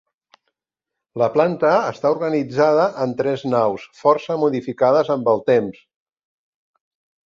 La planta està organitzada en tres naus, força modificades amb el temps.